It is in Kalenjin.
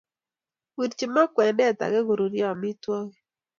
Wirchin maa kwendet ake koruryo amitwogik.